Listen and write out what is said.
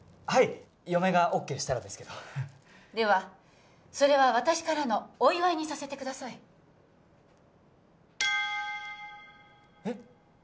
はい嫁がＯＫしたらですけどではそれは私からのお祝いにさせてくださいえっ！？